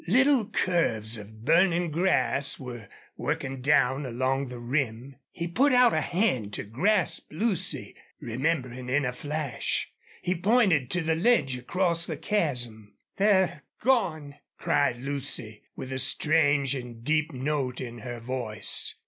Little curves of burning grass were working down along the rim. He put out a hand to grasp Lucy, remembering in a flash. He pointed to the ledge across the chasm. "They're gone!" cried Lucy, with a strange and deep note in her voice.